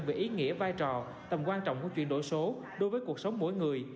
về ý nghĩa vai trò tầm quan trọng của chuyển đổi số đối với cuộc sống mỗi người